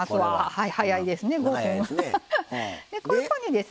はい。